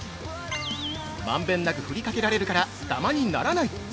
「まんべんなく振りかけられるから、ダマにならない！」